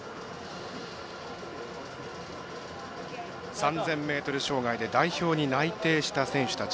３０００ｍ障害で代表に内定した選手たち。